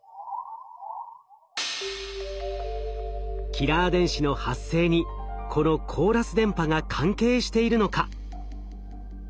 キラー電子の発生にこのコーラス電波が関係しているのか？